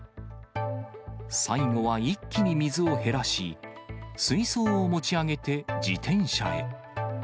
最後は一気に水を減らし、水槽を持ち上げて、自転車へ。